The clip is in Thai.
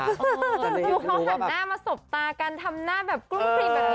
คือเขาหันหน้ามาสบตากันทำหน้าแบบกลุ้มครีมแบบนี้